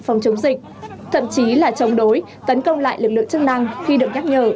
phòng chống dịch thậm chí là chống đối tấn công lại lực lượng chức năng khi được nhắc nhở